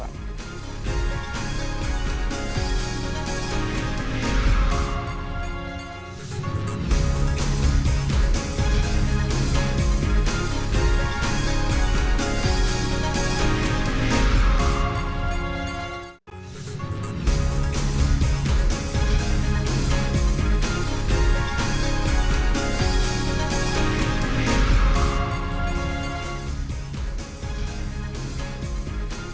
di indonesia forward